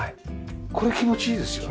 これ気持ちいいですよね。